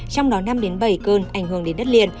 trong đó năm bảy cơn ảnh hưởng đến đất liền